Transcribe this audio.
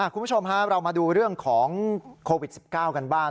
คุณผู้ชมเรามาดูเรื่องของโควิด๑๙กันบ้าง